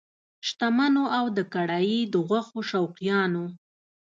شتمنو او د کړایي د غوښو شوقیانو!